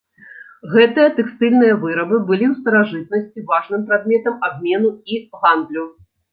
Гэтыя тэкстыльныя вырабы былі ў старажытнасці важным прадметам абмену і гандлю.